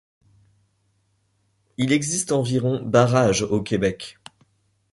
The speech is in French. Il existe environ barrages au Québec.